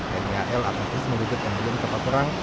tni al akan terus membeli kapal perang